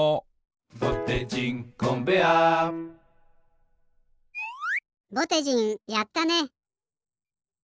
「ぼてじんコンベアー」ぼてじんやったね！